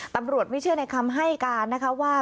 ตำรวจไม่เชื่อในคำให้การนะคะว่า